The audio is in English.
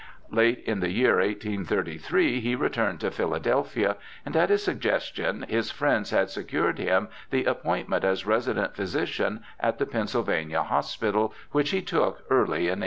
Late in the year 1833 he returned to Philadelphia, and at his suggestion his friends had secured him the appointment as resident physician at the Pennsylvania Hospital, which he took early in 1834.